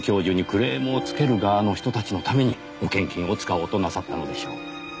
クレームをつける側の人たちのために保険金を使おうとなさったのでしょう？